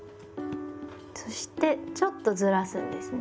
そしてちょっとずらすんですね。